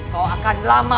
kau akan lama